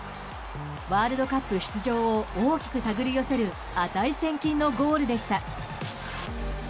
ワールドカップ出場を大きく手繰り寄せる値千金のゴールでした。